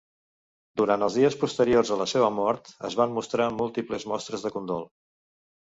Durant els dies posteriors a la seva mort, es van mostrar múltiples mostres de condol.